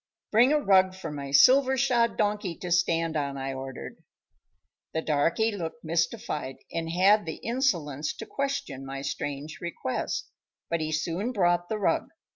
"Bring a rug for my silver shod donkey to stand on," I ordered. The darkey looked mystified, and had the insolence to question my strange request, but he soon brought the rug.